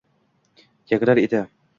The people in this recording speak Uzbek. Yangrar edi